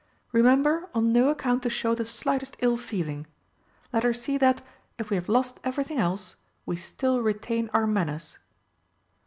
Remember on no account to show the slightest ill feeling. Let her see that, if we have lost everything else, we still retain our manners."